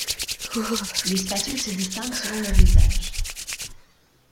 Les spatules se distinguent selon leur usage.